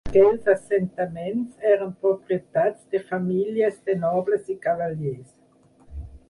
Aquells assentaments eren propietats de famílies de nobles i cavallers.